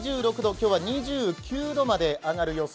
今日は２９度まで上がる予想。